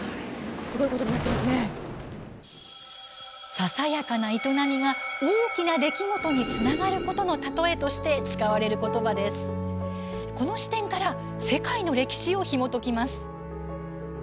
ささやかな営みが大きな出来事につながることの例えとして使われることばなのですが、この視点から世界の歴史をひもときます。